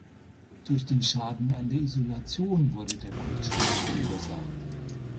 Durch den Schaden an der Isolation wurde der Kurzschluss verursacht.